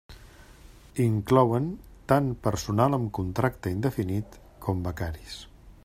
Inclouen tant personal amb contracte indefinit com becaris.